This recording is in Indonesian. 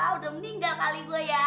udah meninggal kali